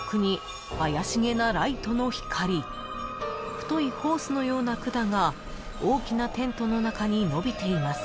［太いホースのような管が大きなテントの中に延びています］